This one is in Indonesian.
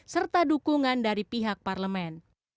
serta dukungan dari pihak parlemen